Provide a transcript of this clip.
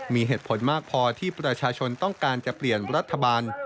มีเหตุผลมากพอที่ประชาชนต้องการจะเปลี่ยนรัฐบาล